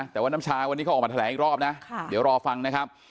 แต่ว่าน้ำชาวันนี้เขาออกมาแถลงอีกรอบนะเดี๋ยวรอฟังนะครับ